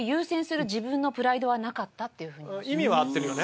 意味は合ってるよね。